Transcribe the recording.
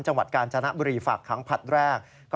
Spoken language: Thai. จังหวัดกาญจนบุรีฝากขังผลัดแรก